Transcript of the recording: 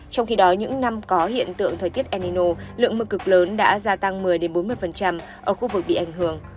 trong khi đó những năm có hiện tượng thời tiết el nino lượng mưa cực lớn đã gia tăng một mươi bốn mươi ở khu vực bị ảnh hưởng